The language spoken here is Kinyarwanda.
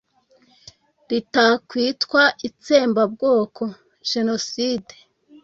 ritakwitwa itsembabwoko (génocide) ?